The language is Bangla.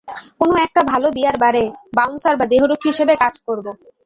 কোন একটা ভালো বিয়ার বারে, বাউন্সার বা দেহরক্ষী হিসেবে চাকরি করবো।